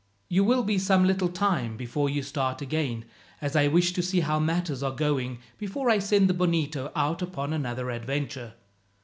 "You will be some little time before you start again, as I wish to see how matters are going before I send the Bonito out upon another adventure.